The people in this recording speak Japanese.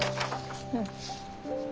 うん。